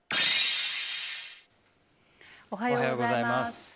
おはようございます。